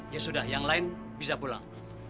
ya sudah yang lain bisa pulang